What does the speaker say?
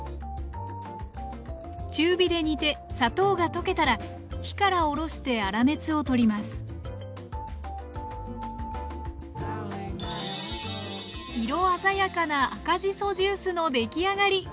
中火で煮て砂糖が溶けたら火から下ろして粗熱を取ります色鮮やかな赤じそジュースのできあがり。